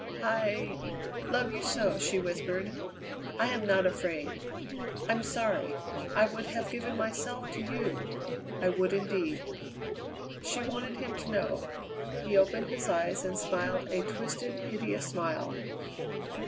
"I love you so!" she whispered. "I am not afraid. I'm sorry. I would have given myself to you! I would indeed!" She wanted him to know. He opened his eyes and smiled a twisted, hideous smile.